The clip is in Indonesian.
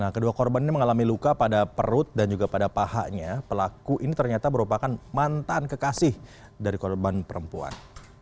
kedua korban ini mengalami luka pada perut dan juga pada pahanya pelaku ini ternyata merupakan mantan kekasih dari korban perempuan